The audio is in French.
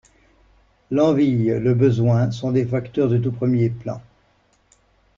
L’envie, le besoin sont des facteurs de tout premier plan.